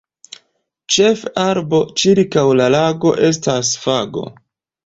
Ĉefa arbo ĉirkaŭ la lago estas fago.